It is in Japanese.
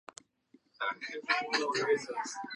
学部・学科経済学部商業学科